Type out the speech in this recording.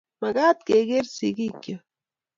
Magaat keeger sigiikcho